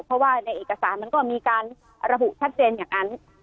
เพราะว่าในเอกสารมันก็มีการระบุชัดเจนอย่างนั้น